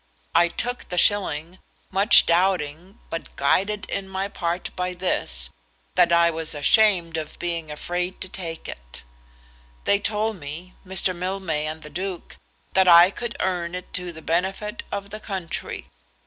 I took the shilling, much doubting, but guided in part by this, that I was ashamed of being afraid to take it. They told me, Mr. Mildmay and the Duke, that I could earn it to the benefit of the country.